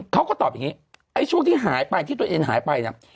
เขาก็ตอบอย่างนี้ช่วงที่ตนเองหายไป